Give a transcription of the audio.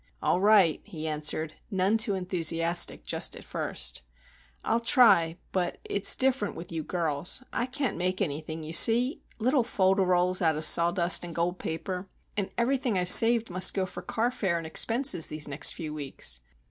"All right," he answered, none too enthusiastic just at first. "I'll try,—but it's different with you girls. I can't make anything, you see,—little fol de rols out of sawdust and gold paper. And everything I've saved must go for car fare and expenses these next few weeks.